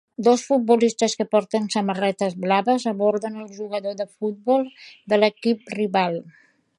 Dos futbolistes que porten samarretes blaves aborden el jugador de futbol de l'equip rival.